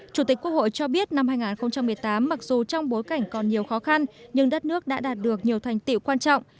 chủ tịch quốc hội cho biết năm hai nghìn một mươi tám mặc dù trong bối cảnh còn nhiều khó khăn nhưng đất nước đã đạt được nhiều thành tiệu quan trọng